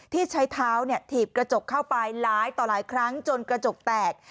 ที่ใช้เท้าถีบกระจกเข้าไปหลายต่อหลายครั้งจนกระจกแตก